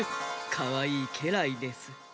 かわいいけらいです。